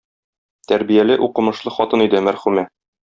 Тәрбияле, укымышлы хатын иде, мәрхүмә.